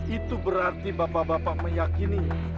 itu berarti bapak bapak meyakini